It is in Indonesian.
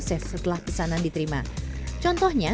yaudah punishment ya